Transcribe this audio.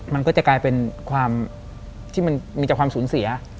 มันก็จะกลายเป็นความที่มันมีแต่ความสูญเสีย